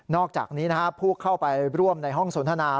อกจากนี้ผู้เข้าไปร่วมในห้องสนทนา